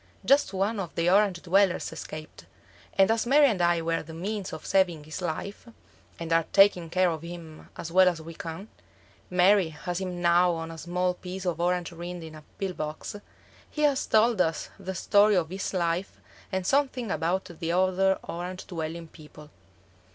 Just one of the Orange dwellers escaped, and as Mary and I were the means of saving his life, and are taking care of him as well as we can (Mary has him now on a small piece of orange rind in a pill box), he has told us the story of his life and something about the other orange dwelling people.